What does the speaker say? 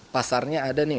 pasarnya ada nih